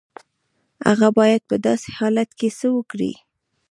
هغه بايد په داسې حالت کې څه وکړي؟